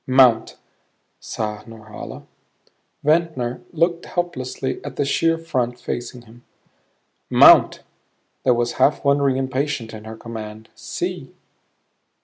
"Mount," sighed Norhala. Ventnor looked helplessly at the sheer front facing him. "Mount." There was half wondering impatience in her command. "See!"